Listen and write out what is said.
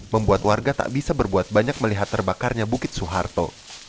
membuat warga tak bisa berbuat banyak melihat terbakarnya bukit soeharto